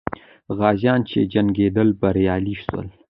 غازیان چې جنګېدل، بریالي سول.